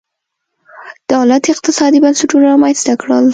دولت اقتصادي بنسټونه رامنځته کړل.